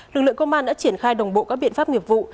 lực lượng công an đã triển khai đồng bộ các biện pháp nghiệp vụ